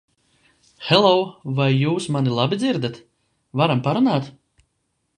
Hello, vai jūs mani labi dzirdat? Varam parunāt?